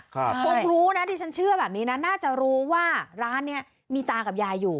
คงรู้นะดิฉันเชื่อแบบนี้นะน่าจะรู้ว่าร้านนี้มีตากับยายอยู่